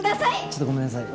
ちょっとごめんなさい。